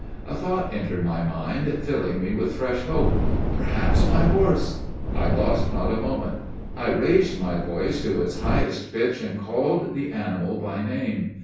A thought entered my mind, filling me with fresh hope. "Perhaps my horse " I lost not a moment. I raised my voice to its highest pitch, and called the animal by name.